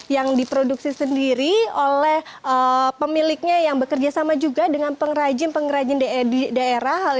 yang diproduksi sendiri oleh pemiliknya yang bekerja sama juga dengan pengrajin pengrajin di daerah